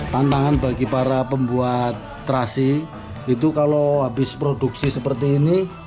tantangan bagi para pembuat terasi itu kalau habis produksi seperti ini